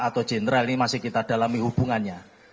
atau jenderal ini masih kita dalami hubungannya